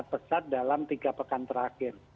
pesat dalam tiga pekan terakhir